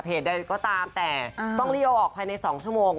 ใดก็ตามแต่ต้องเลี่ยวออกภายใน๒ชั่วโมง